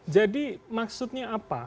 jadi maksudnya apa